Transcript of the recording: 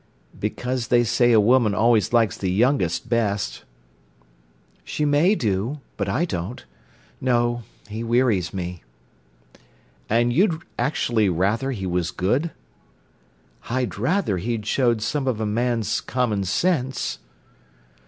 "Because they say a woman always like the youngest best." "She may do—but I don't. No, he wearies me." "And you'd actually rather he was good?" "I'd rather he showed some of a man's common sense."